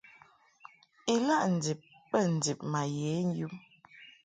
Ilaʼ ndib bə ndib ma ye yum.